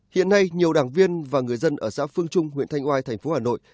hiện nay nhiều đảng viên và người dân ở xã phương trung huyện thanh oai tp hà nội